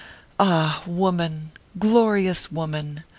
Ah, woman ! glorious woman